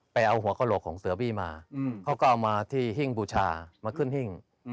ไปเอาหัวกระโหลกของเสือบี้มาเขาก็เอามาที่หิ้งบูชามาขึ้นหิ้ง